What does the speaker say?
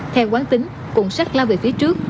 theo quán tính cuộn xác lao về phía trước